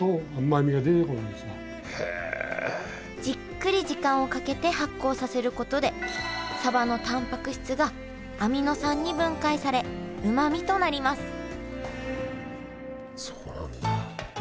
じっくり時間をかけて発酵させることでサバのたんぱく質がアミノ酸に分解されうまみとなります